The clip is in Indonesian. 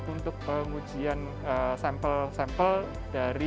untuk pengujian sampel sampel dari pasien terduga covid sembilan belas